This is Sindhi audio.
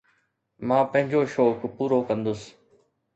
مان پنهنجو شوق پورو ڪندس